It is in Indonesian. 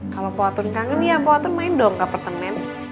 kalau poatun kangen ya poatun main dong ke apartemen